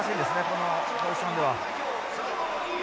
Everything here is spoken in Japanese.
このポジションでは。